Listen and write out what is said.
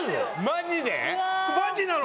マジで？